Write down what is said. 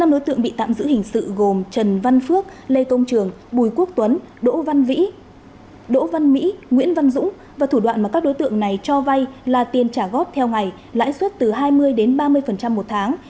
năm đối tượng bị tạm giữ hình sự gồm trần văn phước lê công trường bùi quốc tuấn đỗ văn vĩ đỗ văn mỹ nguyễn văn dũng và thủ đoạn mà các đối tượng này cho vay là tiền trả góp theo ngày lãi suất từ hai mươi đến ba mươi một tháng